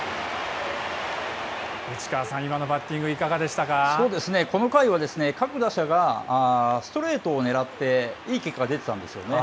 内川さん、今のバッティング、この回は、各打者がストレートを狙って、いい結果が出てたんですよね。